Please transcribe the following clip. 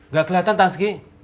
gak keliatan tanski